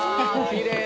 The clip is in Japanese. きれい。